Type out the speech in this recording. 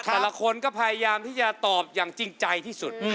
แต่ละคนก็พยายามที่จะตอบอย่างจริงใจที่สุด